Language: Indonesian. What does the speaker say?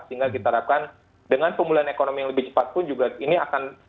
sehingga kita harapkan dengan pemulihan ekonomi yang lebih cepat pun juga ini akan